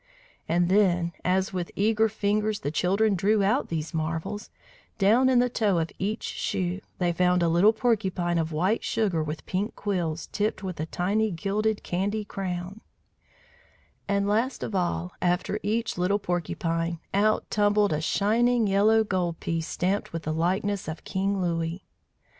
And then, as with eager fingers the children drew out these marvels, down in the toe of each shoe they found a little porcupine of white sugar with pink quills tipped with a tiny, gilded, candy crown; and last of all, after each little porcupine, out tumbled a shining yellow gold piece stamped with the likeness of King Louis.